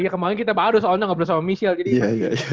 kemarin kita baru soalnya ngobrol sama michelle